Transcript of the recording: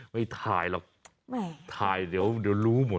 ไม่ถ่ายหรอกถ่ายเดี๋ยวรู้หมด